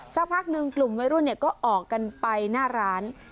สักพักหนึ่งกลุ่มวัยรุ่นก็ออกกันไปหน้าร้าน